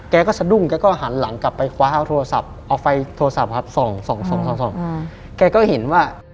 แกก็สะดุ้งแกก็หันหลังกลับไปคว้าเอาโทรศัพท์เอาไฟโทรศัพท์ครับส่องส่องส่องแกก็เห็นว่า